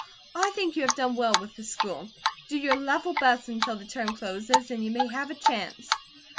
I think you have done well with the school. Do your level best until the term closes, and you may have a chance."